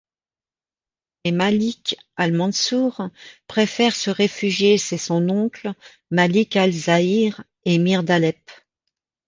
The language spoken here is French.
Mais Malik al-Mansour préfère se réfugier chez son oncle Malik al-Zahir, émir d’Alep.